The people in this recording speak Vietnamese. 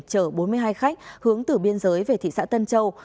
chở bốn mươi hai khách hướng từ biên giới về thị xã tân châu